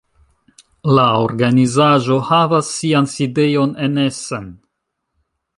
La organizaĵo havas sian sidejon en Essen.